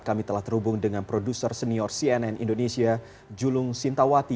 kami telah terhubung dengan produser senior cnn indonesia julung sintawati